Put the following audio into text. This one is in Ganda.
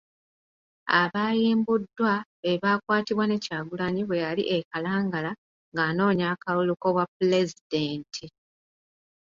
Abaayimbuddwa be baakwatibwa ne Kyagulanyi bwe yali e Kalangala ng’anoonya akalulu k’obwa pulezidenti.